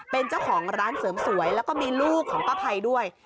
เป็นเจ้าของร้านเสริมสวยแล้วก็มีลูกของป้าภัยด้วย